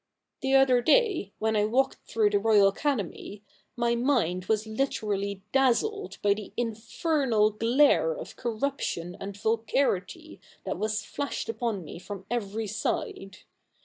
The other day, when I walked through the Royal Academy, my mind was literally dazzled by the infernal glare of corruption and vulgarity that was flashed upon me from every side.